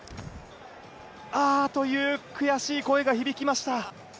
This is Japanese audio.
ああという悔しい声が響きました。